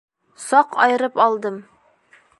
Саҡ айырып алдым.